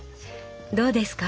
どうですか？